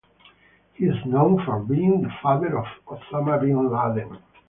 He is known for being the father of Osama bin Laden.